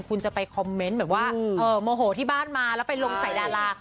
คุณจะไปคอมเมนต์แบบว่าโมโหที่บ้านมาแล้วไปลงใส่ดารา